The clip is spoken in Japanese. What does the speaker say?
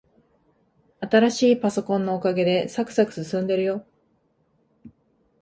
新しいパソコンのおかげで、さくさく進んでるよ。